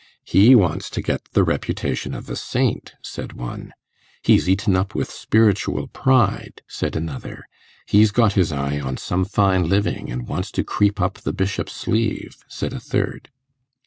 'He wants to get the reputation of a saint,' said one; 'He's eaten up with spiritual pride,' said another; 'He's got his eye on some fine living, and wants to creep up the Bishop's sleeve,' said a third.